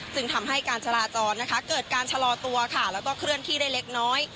ซึ่งทำให้การจราจรนะคะเกิดการชะลอตัวค่ะแล้วก็เคลื่อนที่ได้เล็กน้อย